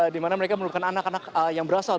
di mana mereka merupakan anak anak yang berasal